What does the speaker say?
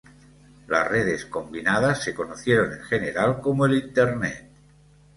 Las redes combinadas se conocieron en general como el Internet.